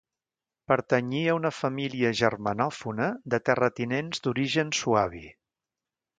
Pertanyia a una família germanòfona de terratinents d'origen suabi.